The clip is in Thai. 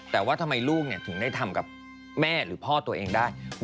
แต่ว่าทำไมลูกถึงได้ทำกับแม่หรือพ่อตัวเองได้